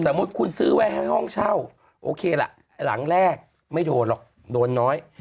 มุติคุณซื้อไว้ให้ห้องเช่าโอเคล่ะหลังแรกไม่โดนหรอกโดนน้อย